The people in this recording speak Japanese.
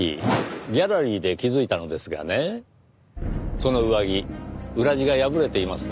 その上着裏地が破れていますね。